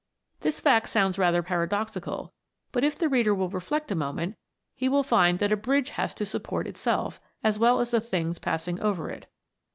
This fact sounds rather paradoxical ; but if the reader will reflect a moment he will find that a bridge has to support itself, as well as the things passing over it.